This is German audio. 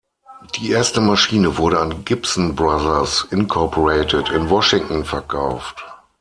Die erste Maschine wurde an Gibson Brothers, Incorporated, in Washington verkauft.